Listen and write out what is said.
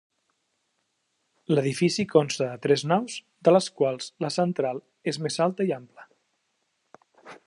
L'edifici consta de tres naus, de les quals la central és més alta i ampla.